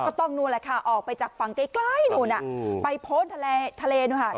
ก็ต้องดูแหละค่ะออกไปจากฝั่งใกล้ใกล้หนูน่ะอืมไปโพสทะเลน้ำค่ะ